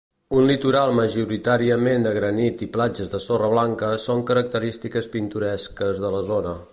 Un litoral majoritàriament de granit i platges de sorra blanca son característiques pintoresques de la zona.